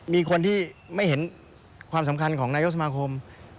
มีคนที่ไม่เห็นความสำคัญของนายกสมาคม